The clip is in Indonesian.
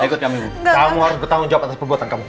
ikut kami kamu harus bertanggung jawab atas perbuatan kamu